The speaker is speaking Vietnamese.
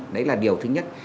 đấy là điều thứ nhất